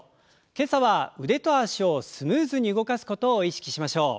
今朝は腕と脚をスムーズに動かすことを意識しましょう。